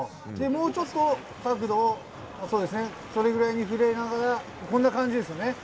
もうちょっと角度をそうですね、これぐらいにふれながら、こんな感じですよね。